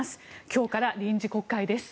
今日から臨時国会です。